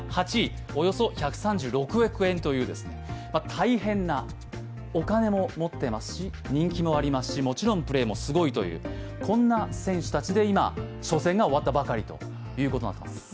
大変なお金も持っていますし、人気もありますし、もちろんプレーもすごいというこんな選手たちで今、初戦が終わったばかりということになっています。